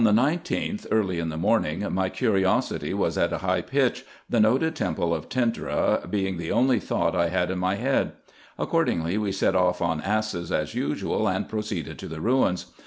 On the 19th, early in the morning, my curiosity was at a high pitch, the noted temple of Tentyra being the only thought I had in my head. Accordingly, we set off on asses, as usual, and proceeded to the ruins.